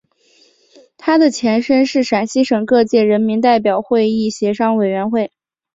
它的前身是陕西省各界人民代表会议协商委员会。